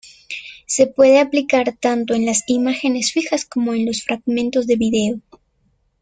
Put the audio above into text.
Se puede aplicar tanto en las imágenes fijas cómo en los fragmentos de vídeo.